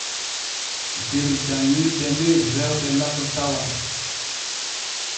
Der janŋirde men rewɓe laso tawa.